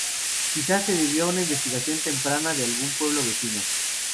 Quizás se debió a una invasión temprana de algún pueblo vecino.